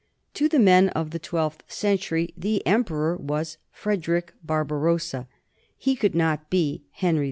To the men of the twelfth century the emperor was Frederick Barbarossa; he could not be Henry II.